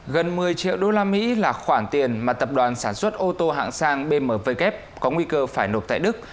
gần một mươi triệu đô la mỹ là khoản tiền mà tập đoàn sản xuất ô tô hạng sang bmw có nguy cơ phải nộp tại đức